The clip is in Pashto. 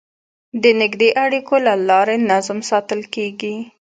د نږدې اړیکو له لارې نظم ساتل کېږي.